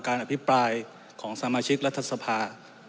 อภิปรายของสมาชิกรัฐสภา